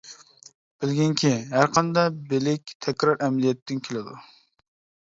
بىلگىنكى، ھەرقانداق بىلىك تەكرار ئەمەلىيەتتىن كېلىدۇ.